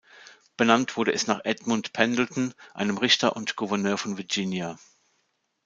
Benannt wurde es nach Edmund Pendleton, einem Richter und Gouverneur von Virginia.